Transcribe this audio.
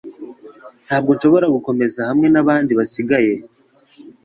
Ntabwo nshobora gukomeza hamwe nabandi basigaye.